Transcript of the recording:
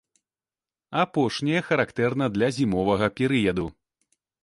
Апошняе характэрна для зімовага перыяду.